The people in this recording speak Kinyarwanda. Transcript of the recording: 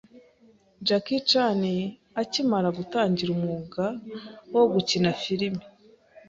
Jackie Chan akimara gutangira umwuga wo gukina film,